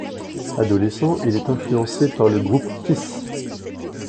Adolescent, il est influencé par le groupe Kiss.